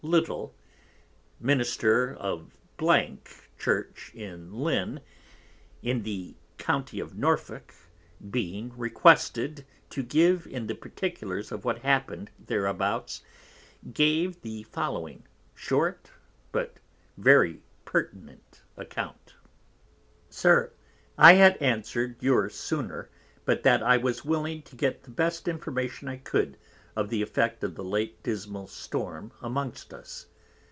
Little Minister of Church in Lyn, in the County of Norfolk, _being requested to give in the particulars of what happen'd thereabouts, gave the following, short but very pertinent Account_. SIR, I had answer'd yours sooner, but that I was willing to get the best Information I could of the effect of the late dismal Storm amongst us.